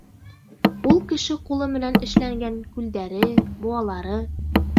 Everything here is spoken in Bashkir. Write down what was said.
Ул кеше ҡулы менән эшләнгән күлдәре, быуалары!